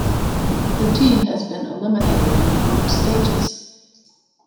The team has been eliminated in the group stages.